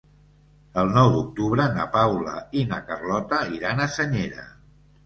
El nou d'octubre na Paula i na Carlota iran a Senyera.